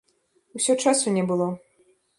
Усё часу не было.